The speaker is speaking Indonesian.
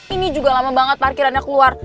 ini juga lama banget parkirannya keluar